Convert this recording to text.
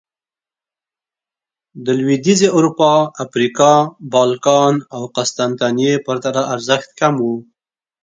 د لوېدیځې اروپا، افریقا، بالکان او قسطنطنیې پرتله ارزښت کم و